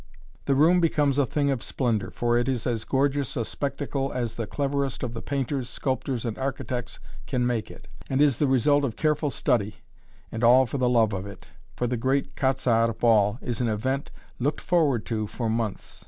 The room becomes a thing of splendor, for it is as gorgeous a spectacle as the cleverest of the painters, sculptors, and architects can make it, and is the result of careful study and all for the love of it! for the great "Quat'z' Arts" ball is an event looked forward to for months.